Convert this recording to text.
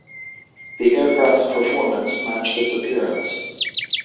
The aircraft's performance matched its appearance.